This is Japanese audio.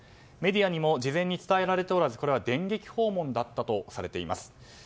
メディアにも事前に伝えられておらずこれは電撃訪問だったとされています。